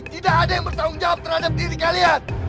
tidak ada yang bertanggung jawab terhadap diri kalian